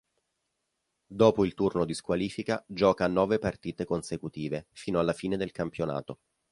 Dopo il turno di squalifica gioca nove partite consecutive, fino alla fine del campionato.